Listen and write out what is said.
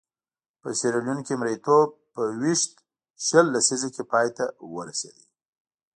په سیریلیون کې مریتوب په ویشت شل لسیزه کې پای ته ورسېد.